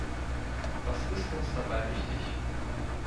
Was ist uns dabei wichtig?